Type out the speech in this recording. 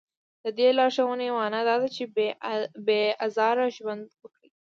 د دې لارښوونې معنا دا ده چې بې ازاره ژوند وکړي.